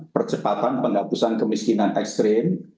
percepatan penghapusan kemiskinan ekstrim